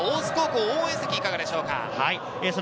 大津高校応援席いかがでしょうか？